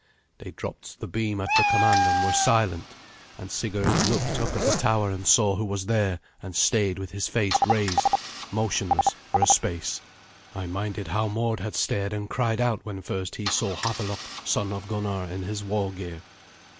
They dropped the beam at the command, and were silent. And Sigurd looked up at the tower, and saw who was there, and stayed with his face raised, motionless for a space. I minded how Mord had stared and cried out when first he saw Havelok, the son of Gunnar, in his war gear.